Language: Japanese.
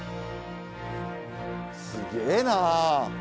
すげえな！